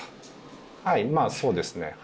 まあ、そうですね。